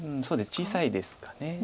そうですね小さいですかね。